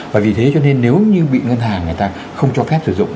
và vì thế cho nên nếu như bị ngân hàng người ta không cho phép sử dụng